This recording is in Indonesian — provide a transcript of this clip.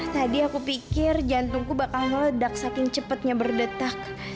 tadi aku pikir jantungku bakal ngeledak saking cepetnya berdetak